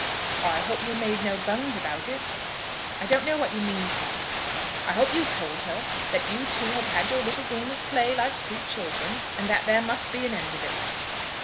"I hope you made no bones about it." "I don't know what you mean, sir." "I hope you told her that you two had had your little game of play, like two children, and that there must be an end of it."